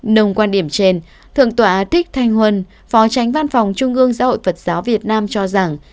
nồng quan điểm trên thượng tọa thích thanh huân phó tránh văn phòng trung ương giáo hội phật giáo việt nam cho rằng